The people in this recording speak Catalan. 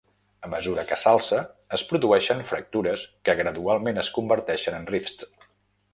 A mesura que s'alça, es produeixen fractures que gradualment es converteixen en rifts.